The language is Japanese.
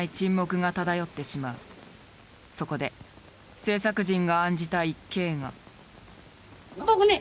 そこで制作陣が案じた一計が。